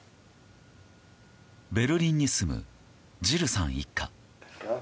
ベルリンに住むジルさん一家。